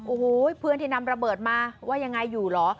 โอ้โหเพื่อนที่นำระเบิดมาว่ายังไงอยู่เหรอ